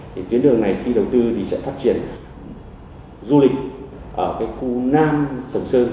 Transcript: thì tuyến đường này khi đầu tư thì sẽ phát triển du lịch ở cái khu nam sầm sơn